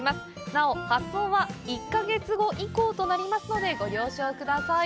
なお、発送は１か月後以降となりますので、ご了承ください。